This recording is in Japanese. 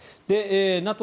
ＮＡＴＯ